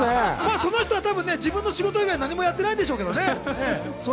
その人は自分の仕事以外、何もしていないんでしょう。